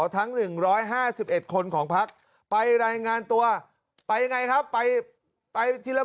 ทั้ง๑๕๑คนของพักไปรายงานตัวไปยังไงครับไปไปทีละ